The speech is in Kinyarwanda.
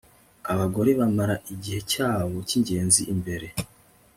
Abagore bamara igihe cyabo cyingenzi imbere